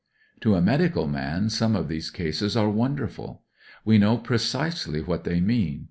"To a medical man some of these cases are wonderful. We know precisely what they mean.